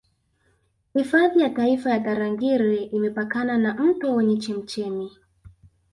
Hifadhi ya taifa ya Tarangire imepakana na mto wenye chemchemi